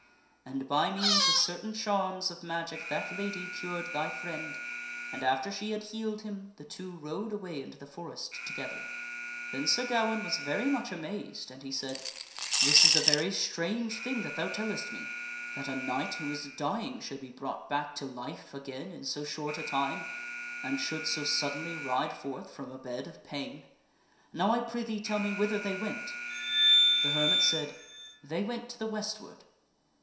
And by means of certain charms of magic that lady cured thy friend, and after she had healed him, the two rode away into the forest together." Then Sir Gawaine was very much amazed, and he said, " This is a very strange thing that thou tellest me, that a knight who is dying should be brought back to life again in so short a time, and should so suddenly ride forth from a bed of pain. Now, I prithee tell me whither they went." The hermit said, " They went to the westward."